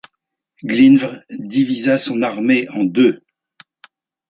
Glyndŵr divisa son armée en deux.